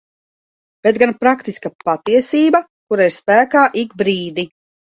Bet gan praktiska patiesība, kura ir spēkā ik brīdi.